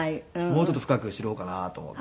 もうちょっと深く知ろうかなと思って。